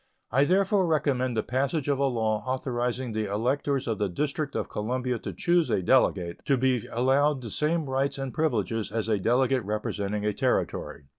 I therefore recommend the passage of a law authorizing the electors of the District of Columbia to choose a Delegate, to be allowed the same rights and privileges as a Delegate representing a Territory.